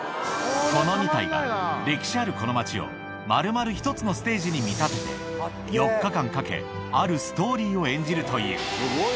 この２体が、歴史あるこの町を、丸々１つのステージに見立てて、４日間かけ、あるストーリーを演じるという。